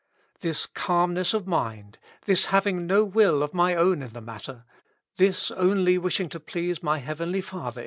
This calmness of mind, this having no will of my own in the matter, this only wishing to please my Heavenly Father 268 Notes.